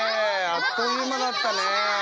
あっという間だったね。